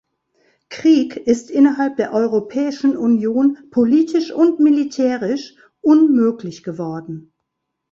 Krieg ist innerhalb der Europäischen Union politisch und militärisch unmöglich geworden.